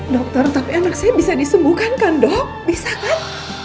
dokter tapi anak saya bisa disembuhkan kan dok bisa kan